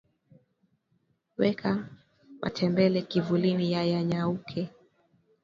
weka matembele kivulini yanyauke